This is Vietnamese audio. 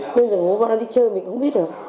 bây giờ ngủ bọn nó đi chơi mình cũng không biết được